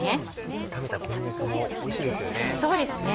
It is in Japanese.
炒めたこんにゃくもおいしいですよね。